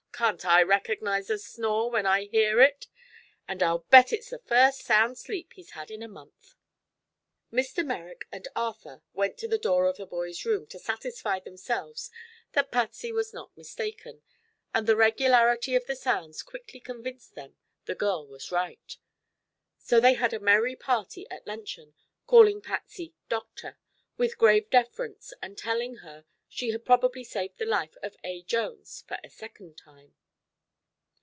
Can't I recognize a snore when I hear it? And I'll bet it's the first sound sleep he's had in a month." Mr. Merrick and Arthur went to the door of the boy's room to satisfy themselves that Patsy was not mistaken, and the regularity of the sounds quickly convinced them the girl was right. So they had a merry party at luncheon, calling Patsy "Doctor" with grave deference and telling her she had probably saved the life of A. Jones for a second time.